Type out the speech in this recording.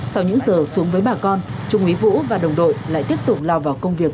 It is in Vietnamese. sau những giờ xuống với bà con trung úy vũ và đồng đội lại tiếp tục lao vào công việc